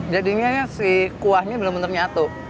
jadinya si kuahnya bener bener nyatu